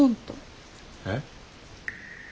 えっ。